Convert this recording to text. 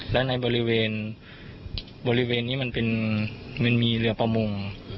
และในบริเวณบริเวณนี้มันมีเรือประมง